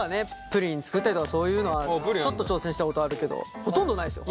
プリン作ったりとかそういうのはちょっと挑戦したことあるけどほとんどないですよ。